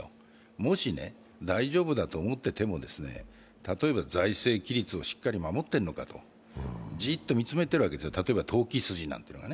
もし、大丈夫だと思っていても例えば財政規律をしっかり守っているのか、じーっと見つめているわけです、投機筋が。